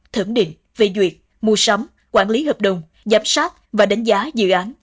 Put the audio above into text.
thẩm định phê duyệt mua sắm quản lý hợp đồng giám sát và đánh giá dự án